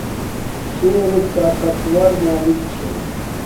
شر ایک طاقت ور مالک چھا